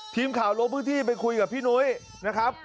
ทีมข่าวลงพื้นที่ไปคุยกับพี่นุ้ยนะครับ